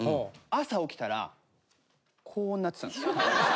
朝起きたらこうなってたんですよ。